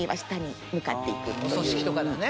お葬式とかだね。